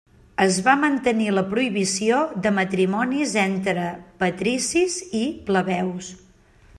Es va mantenir la prohibició de matrimonis entre patricis i plebeus.